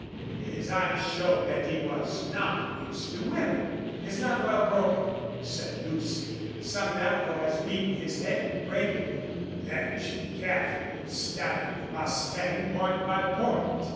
His eyes showed that he was not used to women. "He's not well broken," said Lucy. "Some Navajo has beaten his head in breaking him." Then she carefully studied the mustang point by point.